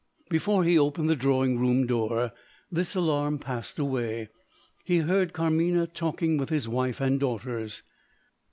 Before he opened the drawing room door, this alarm passed away. He heard Carmina talking with his wife and daughters.